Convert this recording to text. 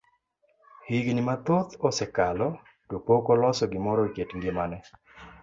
Higni mathoth osekalo to pok oloso gimoro e kit ngimane.